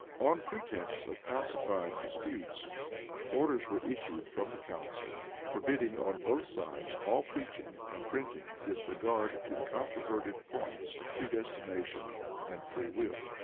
[*] On pretence of pacifying disputes, orders were issued from the council, forbidding on both sides all preaching and printing with regard to the controverted points of predestination and free will.